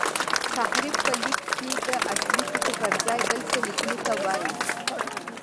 تحریف په لیک کښي د اصلي ټکو پر ځای بل څه لیکلو ته وايي.